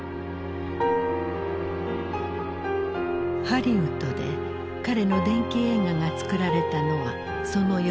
ハリウッドで彼の伝記映画が作られたのはその４年後。